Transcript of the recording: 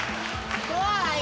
怖い！